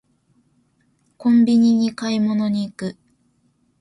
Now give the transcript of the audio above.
コンビニに買い物に行く